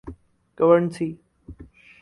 Guernsey